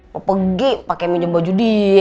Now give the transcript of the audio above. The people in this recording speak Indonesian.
mau pergi pake minjem baju dia